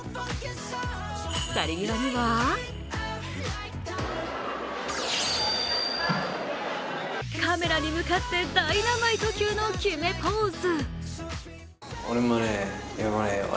去り際にはカメラに向かってダイナマイト級の決めポーズ